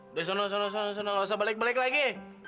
udah sana sana nggak usah balik balik lagi